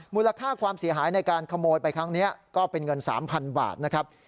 มูลค่าความเสียหายในการขโมยไปครั้งนี้ก็เป็นเงิน๓๐๐๐บาทนะครับ